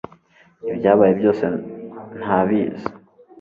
Ibyabaye byose ntabizi